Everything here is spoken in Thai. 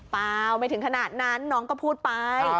เปล่าไม่ถึงขนาดนั้นน้องก็พูดไป